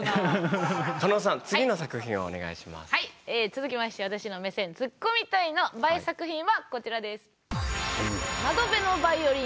続きまして私の目線「ツッコミたい」のＢＡＥ作品はこちらです。